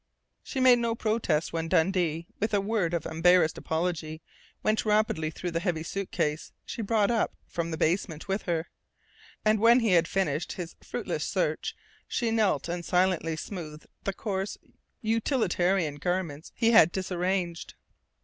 She made no protest when Dundee, with a word of embarrassed apology, went rapidly through the heavy suitcase she had brought up from the basement with her. And when he had finished his fruitless search, she knelt and silently smoothed the coarse, utilitarian garments he had disarranged.